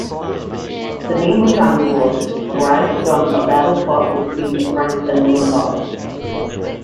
The name Refrancore derives from a battle fought between the Franks and Lombards.